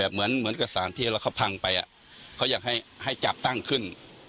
เหมือนกษาที่พ่อเธอพังไปเขาอยากให้จับตั้งขึ้น